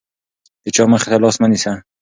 د چا مخې ته لاس مه نیسه.